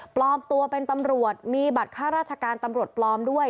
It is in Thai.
ปลอมตัวเป็นตำรวจมีบัตรค่าราชการตำรวจปลอมด้วย